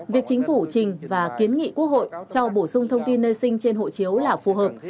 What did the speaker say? việc chính phủ trình và kiến nghị quốc hội cho bổ sung thông tin nơi sinh trên hộ chiếu là phù hợp